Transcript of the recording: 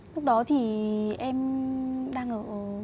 lúc đó thì em đang ở